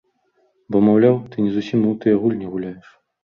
Бо, маўляў, ты не зусім у тыя гульні гуляеш.